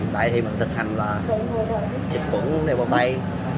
tại thì mình thực hành là xịt quẩn lên bàn tay